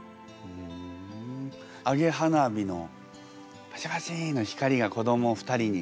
揚げ花火のパチパチの光が子ども２人にこう。